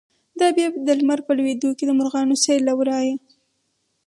دابه بیا په لمر لویدوکی، دمرغانو سیل له ورایه”